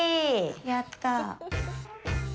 やったあ。